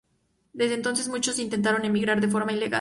Desde entonces, muchos intentaron emigrar de forma ilegal.